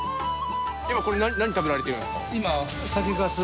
今これ何食べられてるんですか？